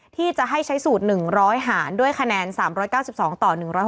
ที่จะให้ใช้สูตรหนึ่งร้อยหารด้วยคะแนน๓๙๒ต่อ๑๖๐